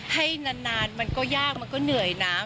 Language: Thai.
ให้นานมันก็ยากมันก็เหนื่อยนะ